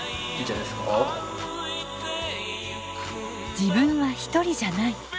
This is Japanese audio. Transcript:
自分は一人じゃない。